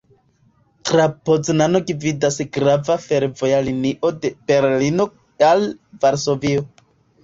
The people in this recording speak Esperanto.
Tra Poznano gvidas grava fervoja linio de Berlino al Varsovio.